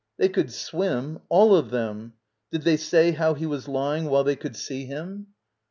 They could swim — all of them. Did they say how he was lying while they could see him?